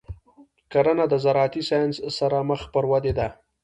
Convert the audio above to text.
کرنه د زراعتي ساینس سره مخ پر ودې ده.